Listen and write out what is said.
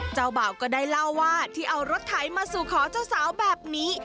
เจ้าบ่าวก็ได้เล่าว่าที่เอารถไถมาสู่ขอเจ้าสาวแบบนี้